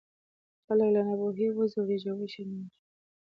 خلک له ناپوهۍ وځورېږي او وشرمېږي.